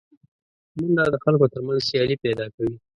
منډه د خلکو تر منځ سیالي پیدا کوي